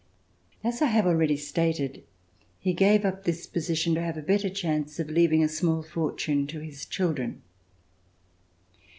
As I have already stated, he gave up this position, to have a better chance of leaving a small fortune to his children.